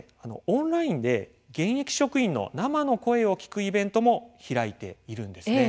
オンラインで現役職員の生の声を聞くイベントも開いているんですね。